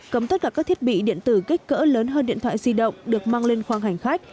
cấm tất cả các thiết bị điện tử kích cỡ lớn hơn điện thoại di động được mang lên khoang hành khách